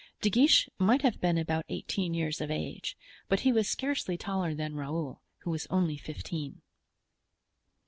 De Guiche might have been about eighteen years of age, but he was scarcely taller than Raoul, who was only fifteen.